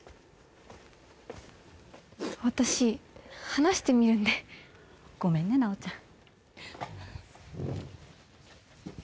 私話してみるんでごめんね奈央ちゃん